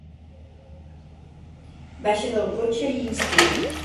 Baixa del cotxe i inspira.